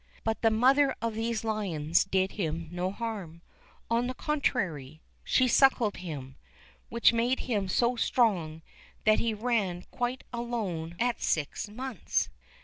But the mother of these lions did him no harm; on the contrary, she suckled him, which made him so strong, that he ran quite alone at six months.